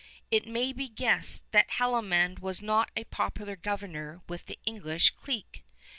It may be guessed that Haldimand was not a popular governor with the English clique.